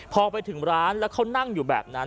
พอไปถึงร้านแล้วเขานั่งอยู่แบบนั้น